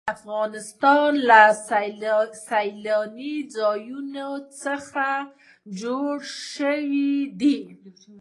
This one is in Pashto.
د افغانستان طبیعت له سیلانی ځایونه څخه جوړ شوی دی.